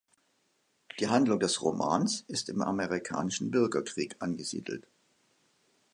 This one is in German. Die Handlung des Romans ist im Amerikanischen Bürgerkrieg angesiedelt.